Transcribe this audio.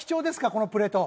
このプレート。